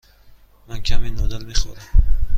من کمی نودل می خورم.